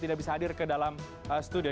tidak bisa hadir ke dalam studio